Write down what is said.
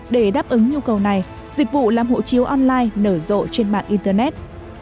để đáp ứng nhu cầu này dịch vụ làm hộ chiếu online nở rộ trên mạng internet